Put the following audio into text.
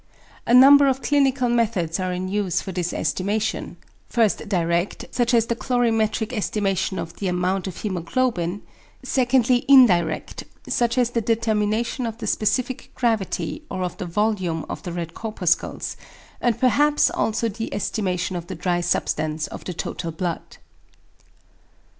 A number of clinical methods are in use for this estimation; first direct, such as the colorimetric estimation of the amount of hæmoglobin, secondly indirect, such as the determination of the specific gravity or of the volume of the red corpuscles, and perhaps also the estimation of the dry substance of the total blood.